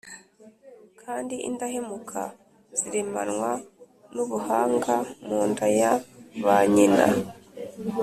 kandi indahemuka ziremanwa nubuhanga mu nda ya ba nyina